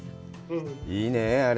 いいねぇ、あれ。